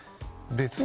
別に。